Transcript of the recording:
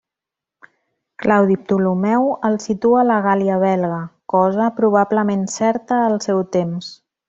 Claudi Ptolemeu els situa a la Gàl·lia Belga, cosa probablement certa al seu temps.